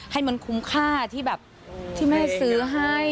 ให้มันคุ้มค่าที่แบบที่แม่ซื้อให้